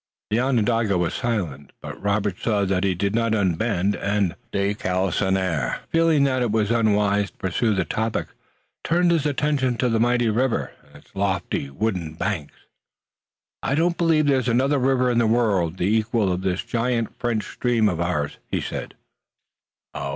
The Onondaga was silent, but Robert saw that he did not unbend, and de Galisonnière, feeling that it was unwise to pursue the topic, turned his attention to the mighty river and its lofty wooded banks. "I don't believe there's another river in the world the equal of this giant French stream of ours," he said.